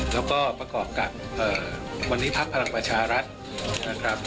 แล้วก็ประกอบกับวันนี้พักพลังประชารัฐนะครับ